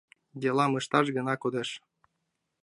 Делам ышташ гына кодеш.